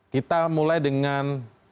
kita mulai dengan